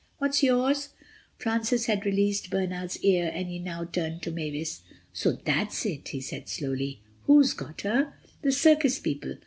What's yours?" Francis had released Bernard's ear and now he turned to Mavis. "So that's it," he said slowly—"who's got her?" "The circus people.